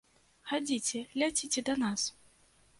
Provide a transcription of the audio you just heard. Хадзіце, ляціце да нас.